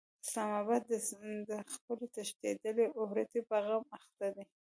اسلام اباد د خپلې تښتېدلې عورتې په غم اخته دی.